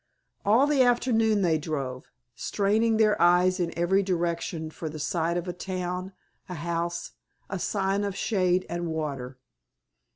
All the afternoon they drove, straining their eyes in every direction for the sight of a town, a house, a sign of shade and water.